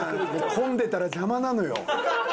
混んでたら邪魔なのよ。